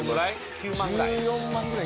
９万ぐらい？